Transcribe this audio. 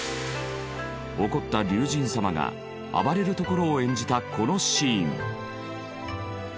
怒った龍神様が暴れるところを演じたこのシーン。